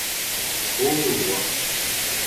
Kozh e oa.